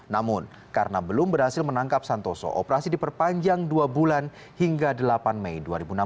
namun karena belum berhasil menangkap santoso operasi diperpanjang dua bulan hingga delapan mei dua ribu enam belas